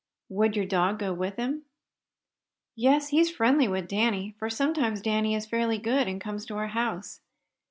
"Would your dog go with him?" "Yes, he's friendly with Danny, for sometimes Danny is fairly good, and comes to our house.